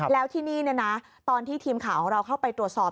แล้วที่นี่ตอนที่ทีมข่าวของเราเข้าไปตรวจสอบ